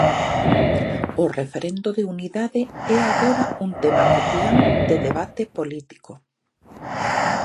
O referendo de unidade é agora un tema cotián de debate político.